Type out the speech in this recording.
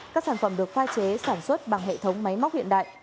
các sản phẩm được pha chế sản xuất bằng hệ thống máy móc hiện đại